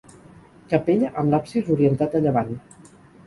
Capella amb l'absis orientat a llevant.